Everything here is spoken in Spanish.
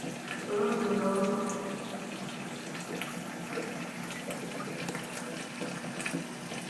Todos los lagos ofrecen pesca, sitios para picnic, y áreas para acampar.